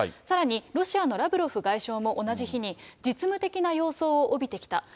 さらにロシアのラブロフ外相も同じ日に、実務的な様相を帯びてきた。